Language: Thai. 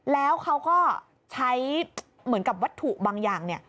แล้วเขาก็ใช้เหมือนกับวัตถุบางอย่างเนี่ย